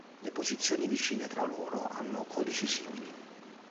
Le posizioni vicine tra loro hanno codici simili.